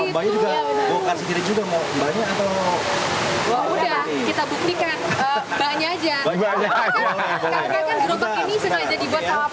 buka sendiri juga mau banyak atau kita buktikan banyak